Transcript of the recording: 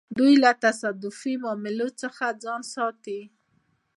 دوی له تصادفي معاملو څخه ځان ساتي.